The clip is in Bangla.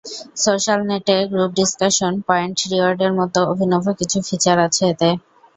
সোশ্যালনেটে গ্রুপ ডিসকাশন, পয়েন্ট রিওয়ার্ডের মতো অভিনব কিছু ফিচার আছে এতে।